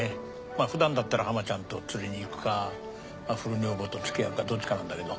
まぁふだんだったらハマちゃんと釣りに行くか古女房とつきあうかどっちかなんだけど。